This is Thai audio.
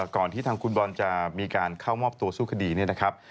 ที่ทางคุณบอลจะมีการเข้ามอบตัวสู้คดีเนี่ยนะครับ